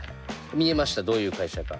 見えましたどういう会社か。